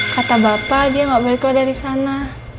kata bapak dia nggak boleh keluar dari sana